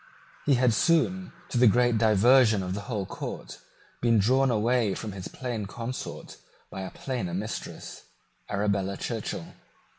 He had soon, to the great diversion of the whole court, been drawn away from his plain consort by a plainer mistress, Arabella Churchill.